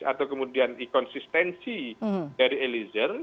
atau kemudian ikonsistensi dari eliezer